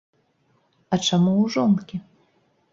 А чаму ў жонкі?